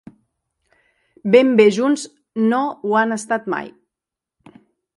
Ben bé junts no ho han estat mai.